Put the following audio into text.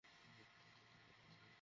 কিন্তু, তার আসল পরিচয় রহস্যময় হয়েই থাকে।